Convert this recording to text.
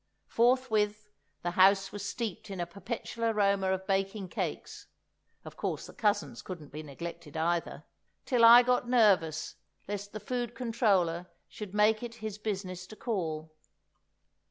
Forthwith, the house was steeped in a perpetual aroma of baking cakes (of course the cousins couldn't be neglected either), till I got nervous lest the Food Controller should make it his business to call.